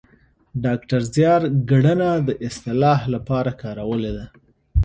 ډاکتر زیار ګړنه د اصطلاح لپاره کارولې ده